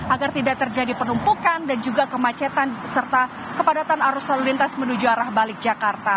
agar tidak terjadi penumpukan dan juga kemacetan serta kepadatan arus lalu lintas menuju arah balik jakarta